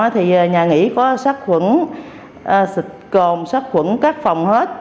thì nhà nghỉ có sát khuẩn xịt cồn sát khuẩn các phòng hết